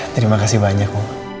terima kasih banyak